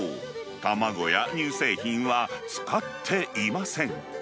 卵や乳製品は使っていません。